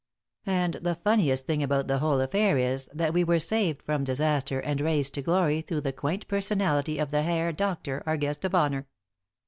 And the funniest thing about the whole affair is that we were saved from disaster and raised to glory through the quaint personality of the Herr Doctor, our guest of honor.